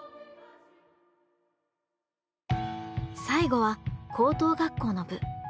最後は高等学校の部。